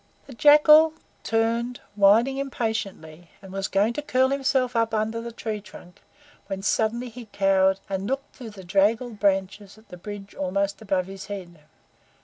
The Jackal turned, whining impatiently, and was going to curl himself up under the tree trunk, when suddenly he cowered, and looked up through the draggled branches at the bridge almost above his head.